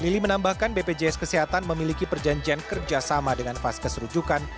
lili menambahkan bpjs kesehatan memiliki perjanjian kerjasama dengan vaskes rujukan